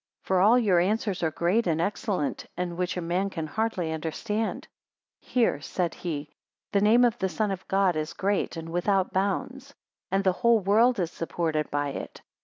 For all your answers are great and excellent; and which a man can hardly understand. 138 Hear, said he: The name of the Son of God is great and without bounds, and the whole world is supported by it.